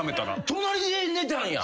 隣で寝たんや！？